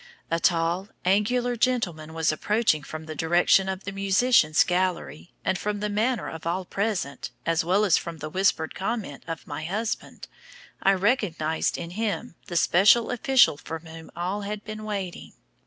A tall, angular gentleman was approaching from the direction of the musicians' gallery, and from the manner of all present, as well as from the whispered comment of my husband, I recognised in him the special official for whom all had been waiting.